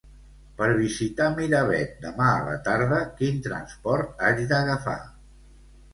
Per visitar Miravet demà a la tarda, quin transport haig d'agafar?